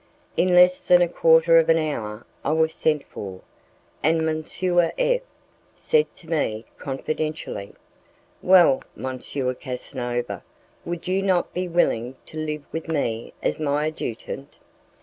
In less than a quarter of an hour I was sent for, and M. F said to me, confidentially, "Well, M. Casanova, would you not be willing to live with me as my adjutant?"